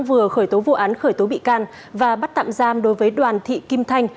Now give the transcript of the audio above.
vừa khởi tố vụ án khởi tố bị can và bắt tạm giam đối với đoàn thị kim thanh